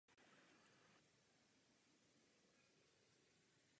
Sidewinder se však propadl pod křídlo letadla a pilot ji na okamžik vůbec neviděl.